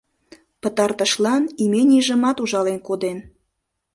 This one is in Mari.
Пытартышлан, именийжымат ужален коден.